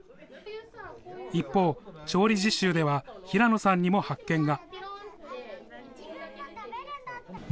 一方、調理実習では平野さんにも発見が。